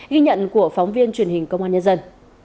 ghi nhận của phóng viên truyền hình công an nhân dân